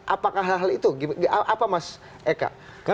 apakah hal hal itu apa mas eka